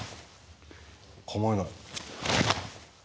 構えない。